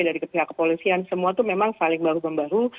dari pihak kepolisian semua itu memang saling bahu membahu